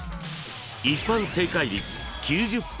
［一般正解率９０％］